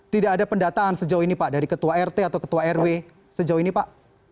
tidak ada pendataan sejauh ini pak dari ketua rt atau ketua rw sejauh ini pak